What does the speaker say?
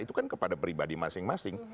itu kan kepada pribadi masing masing